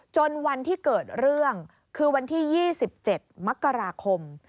จนวันที่เกิดเรื่องคือวันที่๒๗มกราคม